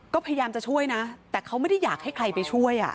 ก็พยายามจะช่วยนะแต่เขาไม่ได้อยากให้ใครไปช่วย